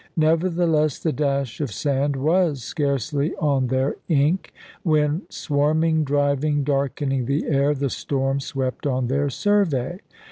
Nevertheless the dash of sand was scarcely on their ink, when swarming, driving, darkening the air, the storm swept on their survey.